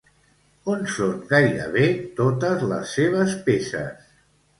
On són gairebé totes les seves peces?